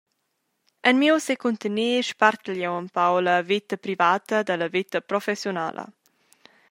En miu secuntener spartel jeu empau la veta privata dalla veta professiunala.